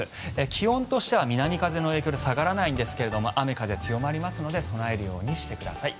気温としては南風の影響で下がらないんですが雨、風強まりますので備えるようにしてください。